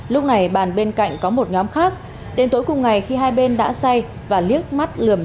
lúc này bàn bên cạnh có một nhóm khác đến tối cùng ngày khi hai bên đã xay và liếc mắt lườm